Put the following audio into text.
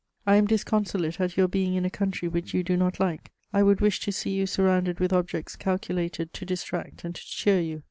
"I am disconsolate at your being in a country which you do not like. I would wish to see you surrounded with objects calculated to distract and to cheer you.